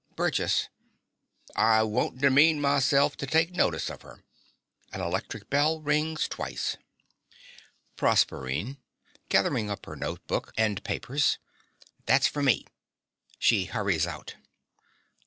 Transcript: BURGESS. I wouldn't demean myself to take notice on her. (An electric bell rings twice.) PROSERPINE (gathering up her note book and papers). That's for me. (She hurries out.)